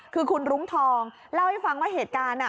คือคุณรุ้งทองเล่าให้ฟังว่าเหตุการณ์